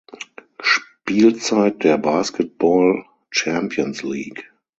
Spielzeit der Basketball Champions League.